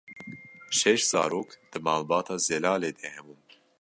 Şeş zarok di malbata Zelalê de hebûn.